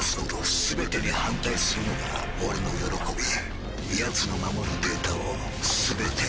全てに反対するのが俺の喜びやつの守るデータを全て奪うのだ！